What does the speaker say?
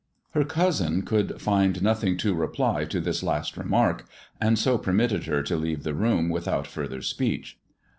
Her cousin could find nothing to reply to this last re mark, and so permitted her to leave the room without further speech.